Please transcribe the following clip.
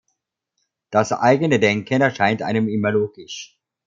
Das eigene Denken erscheint einem immer logisch.